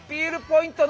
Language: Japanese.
ポイント